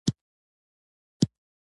ښځه د خپل چاپېریال د ښېرازۍ هڅه کوي.